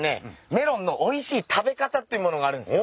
メロンのおいしい食べ方っていうものがあるんですよ。